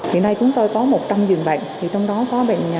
hiện nay chúng tôi có một trăm linh dưỡng bệnh